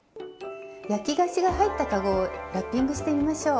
焼き菓子が入った籠をラッピングしてみましょう！